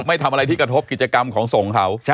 ไม่ทำอะไรที่กระทบกิจกรรมของส่งเขา